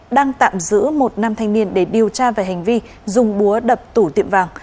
đang tạm giữ một nam thanh niên để điều tra về hành vi dùng búa đập tủ tiệm vàng